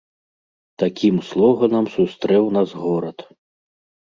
Такім слоганам сустрэў нас горад!